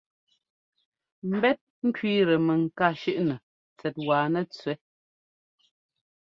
Mbɛ́t ŋ́kẅíitɛ mɛŋká shʉ́ꞌnɛ tsɛt wa nɛtsẅɛ́.